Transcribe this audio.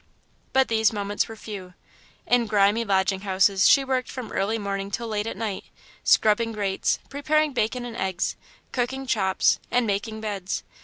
But these moments were few. In grimy lodging houses she worked from early morning till late at night, scrubbing grates, preparing bacon and eggs, cooking chops, and making beds.